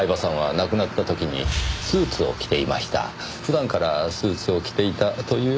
普段からスーツを着ていたというような事は？